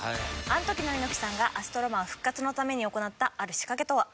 アントキの猪木さんがアストロマン復活のために行ったある仕掛けとは？